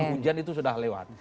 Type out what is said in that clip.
ujian itu sudah lewat